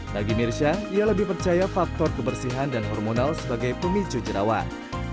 bagi mirsya dia lebih percaya faktor kebersihan dan hormonal sebagai pemicu jerawat